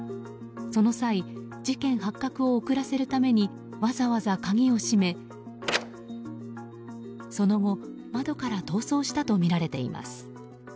その際事件発覚を遅らせるためにわざわざ鍵を閉めその後、窓から逃走したとみられています。